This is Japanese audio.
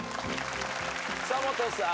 久本さん。